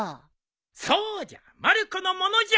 そうじゃまる子のものじゃ。